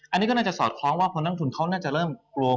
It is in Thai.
อันนี้ก็น่าจะสอดคล้องว่าคนนักทุนเขาน่าจะเริ่มกลัว